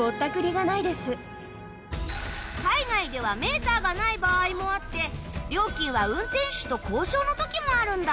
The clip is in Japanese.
海外ではメーターがない場合もあって料金は運転手と交渉の時もあるんだ。